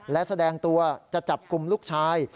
และแสดงตัวจะจับกลุ่มลูกชาย